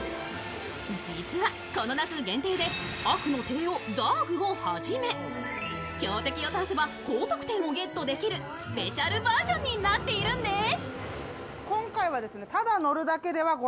実はこの夏限定で、悪の帝王・ザーグをはじめ強敵を倒せば高得点をゲットできるスペシャルバージョンになっているんです。